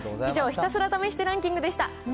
以上、ひたすら試してランキングでした。